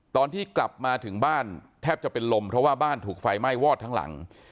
ตอนที่กลับมาถึงบ้านแทบจะเป็นลมเพราะว่าบ้านถูกไฟไหม้วอดทั้งหลัง